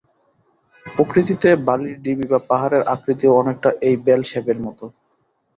প্রকৃতিতে বালির ঢিবি বা পাহাড়ের আকৃতিও অনেকটা এই বেল শেপের মত।